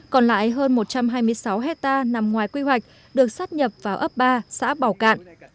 còn lại hơn một trăm hai mươi sáu hectare nằm ngoài quy hoạch được sát nhập vào ấp ba xã bảo cạn